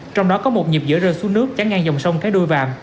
trong đó có một nhịp dữa rơi xuống nước trắng ngang dòng sông cái đôi vạm